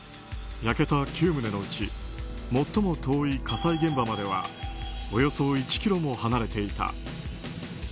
焼けた９棟のうち最も遠い火災現場まではおよそ１ｋｍも離れていた。